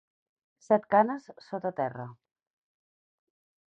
Set canes sota terra.